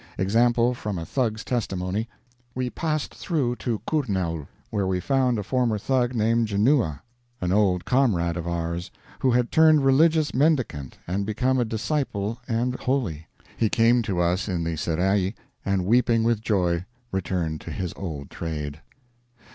Example, from a Thug's testimony: "We passed through to Kurnaul, where we found a former Thug named Junooa, an old comrade of ours, who had turned religious mendicant and become a disciple and holy. He came to us in the serai and weeping with joy returned to his old trade."